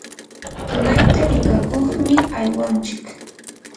tunayta rikakuqmi aywanchik.